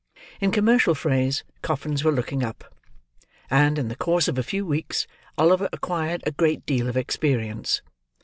In commercial phrase, coffins were looking up; and, in the course of a few weeks, Oliver acquired a great deal of experience.